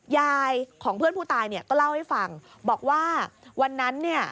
ยายของเพื่อนผู้ตายเนี่ยก็เล่าให้ฟังบอกว่าวันนั้นเนี่ย